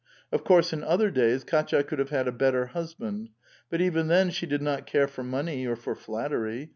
Of course in other days Kdtya could have had a better husband. But even then she did not care for money or for flattery.